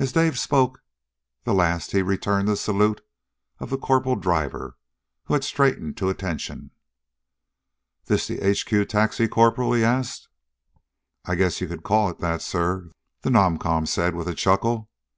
As Dave spoke the last he returned the salute of the corporal driver, who had straightened to attention. "This the H.Q. taxi, Corporal?" he asked. "I guess you could call it that, sir," the non com said with a chuckle.